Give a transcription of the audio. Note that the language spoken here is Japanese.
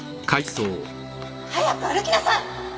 速く歩きなさい！